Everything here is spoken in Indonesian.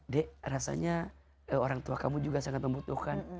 dek rasanya orang tua kamu juga sangat membutuhkan